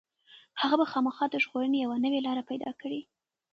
هغه به خامخا د ژغورنې یوه نوې لاره پيدا کړي.